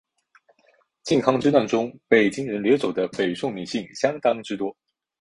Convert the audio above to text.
靖康之难中的被金人掠走的北宋女性相当之多。